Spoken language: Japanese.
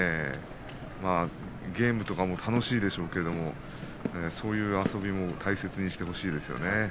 ゲームとかも楽しいでしょうけれどもそういう遊びも大切にしてほしいですね。